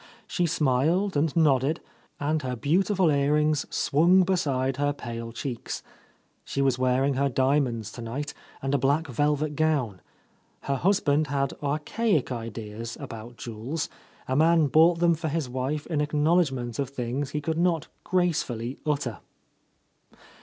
She smiled and nodded, and her beautiful earrings swimg beside her pale cheeks. She was wearing her diamonds tonight, and a black velvet gown. Her husband had archaic ideas about jewels ; a man bought them for his wife in ac^owledgment of things he could not gracefully utter.